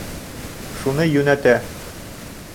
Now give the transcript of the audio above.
Шуны йүнәтә.